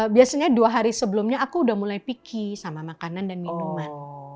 biasanya dua hari sebelumnya aku udah mulai picky sama makanan dan minuman